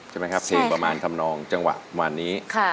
ใช่ไหมครับเพลงประมาณทำนองจังหวะวันนี้